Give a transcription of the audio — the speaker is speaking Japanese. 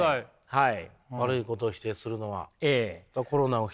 はい。